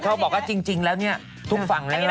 เขาบอกว่าจริงแล้วนี่ทุกฝั่งได้รึเปล่า